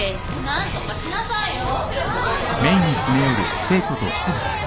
何とかしなさいよ。